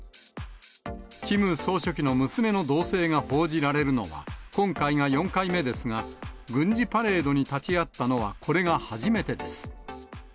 キム総書記の娘の動静が報じられるのは今回が４回目ですが、軍事パレードに立ち会ったのはこれが初めてです。